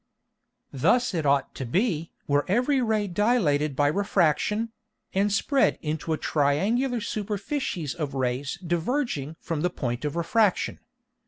Thus it ought to be were every Ray dilated by Refraction, and spread into a triangular Superficies of Rays diverging from the Point of Refraction.